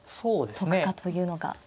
解くかというのが。